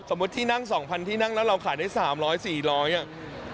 สมมุติที่นั่งสองพันที่นั่งแล้วเราขายได้สามร้อยสี่ร้อยอะ